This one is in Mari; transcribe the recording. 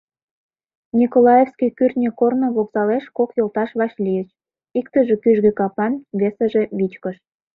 Николаевский кӱртньӧ корно вокзалеш кок йолташ вашлийыч: иктыже кӱжгӧ капан, весыже — вичкыж.